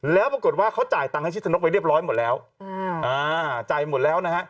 แล้วปรากฏว่าเขาจ่ายตังค์ให้ชิชชะนกไว้เรียบร้อยหมดแล้ว